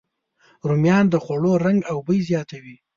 رومیان د خوړو رنګ او بوی زیاتوي